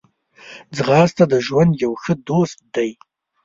ځغاسته د ژوند یو ښه دوست دی